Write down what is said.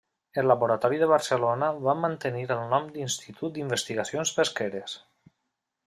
El laboratori de Barcelona va mantenir el nom d'Institut d'Investigacions Pesqueres.